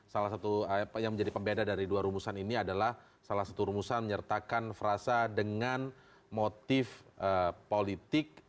salah satu yang menjadi pembeda dari dua rumusan ini adalah salah satu rumusan menyertakan frasa dengan motif politik